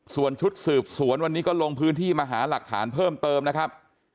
ส่วนชุดสืบสวนวันนี้ก็ลงพื้นที่มาหาหลักฐานเพิ่มเติมนะครับ